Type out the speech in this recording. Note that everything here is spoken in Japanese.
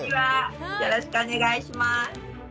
よろしくお願いします。